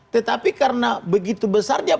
tetapi karena begitu besar dia